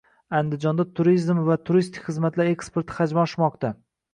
Andijonda turizm va turistik xizmatlar eksporti hajmi oshmoqda